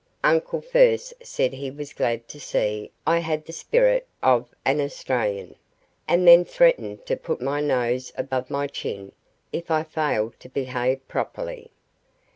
Uncle first said he was glad to see I had the spirit of an Australian, and then threatened to put my nose above my chin if I failed to behave properly.